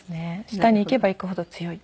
下にいけばいくほど強い。